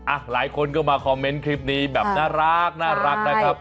หลายคนก็มาคอมเมนต์คลิปนี้แบบน่ารักนะครับ